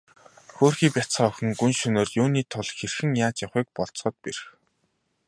Хөөрхий бяцхан охин гүн шөнөөр юуны тул хэрхэн яаж явахыг болзоход бэрх.